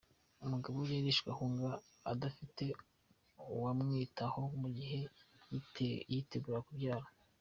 Umugabo we yarishwe ahunga adafite uwamwitaho mu gihe yiteguraga kubyara.